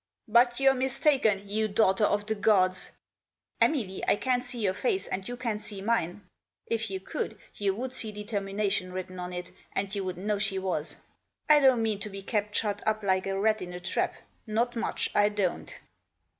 But you're mistaken, you daughter of the gods! Emily, I can't see your face, and you can't see mine. If Digitized by 140 THE JOSS. you could you'd see determination written on it, and you'd know she was. I don't mean to be kept shut up like a rat in a trap, not much, I don't.